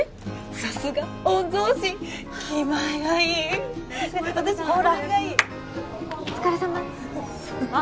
さすが御曹司気前がいいほらお疲れさまですあっ